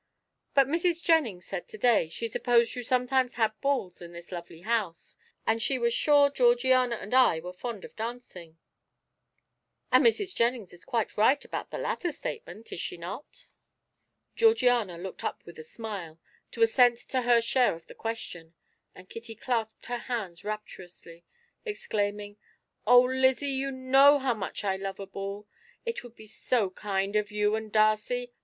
But Mrs. Jennings said to day she supposed you sometimes had balls in this lovely house, and she was sure Georgiana and I were fond of dancing." "And Mrs. Jennings is quite right about the latter statement, is she not?" Georgiana looked up with a smile, to assent to her share of the question, and Kitty clasped her hands rapturously, exclaiming: "Oh, Lizzie, you know how much I love a ball! It would be so kind of you and Darcy!